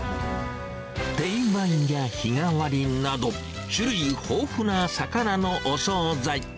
定番や日替わりなど、種類豊富な魚のお総菜。